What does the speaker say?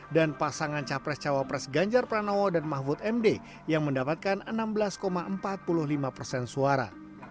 dan pasangan capres cawapres ganjar pranowo dan mahfud md yang mendapatkan enam belas empat puluh lima persen suara